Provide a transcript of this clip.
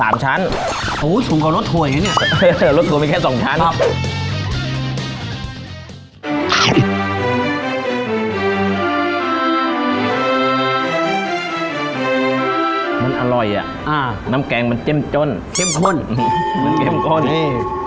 มันอร่อยอ่ะอ่าน้ำแกงมันเจ้มจ้นเข้มข้นมันเข้มข้น